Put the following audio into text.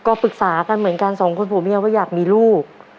ก็ปรึกษากันเหมือนกันสองคนผัวเมียว่าอยากมีลูก